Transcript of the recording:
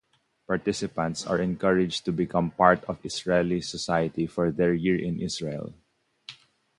Participants are encouraged to become part of Israeli society for their year in Israel.